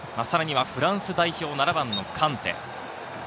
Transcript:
さらにはフランス代表、７番のカンテ。